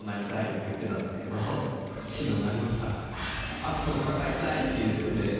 悪と戦いたいって言ってて。